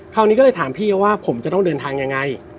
คราวนี้ก็เลยถามพี่เขาว่าผมจะต้องเดินทางยังไง